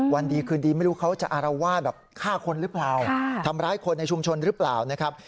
วันดีคืนดีไม่รู้เขาจะอารวาสแบบฆ่าคนหรือเปล่าทำร้ายคนในชุมชนหรือเปล่านะครับ